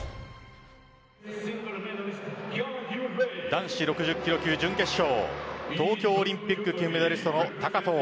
男子６０キロ級準決勝東京オリンピック金メダリストの高藤。